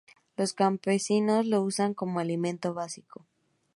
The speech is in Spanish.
Los campesinos lo usan como alimento básico.